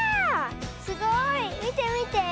すごい。みてみて。